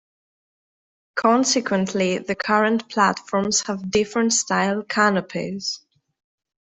Consequently, the current platforms have different style canopies.